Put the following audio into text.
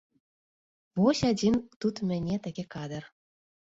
Вось адзін тут у мяне такі кадр.